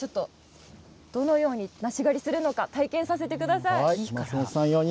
どのように梨狩りをするのか体験させてください。